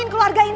ibu gak quias